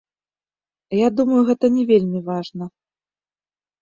Я думаю, гэта не вельмі важна.